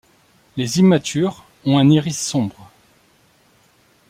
Les immatures ont un iris sombre.